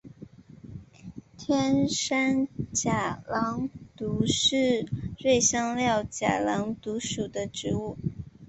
天山假狼毒是瑞香科假狼毒属的植物。